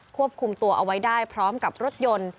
ควบคุมตัวเอาไว้ได้พร้อมกับรถยนต์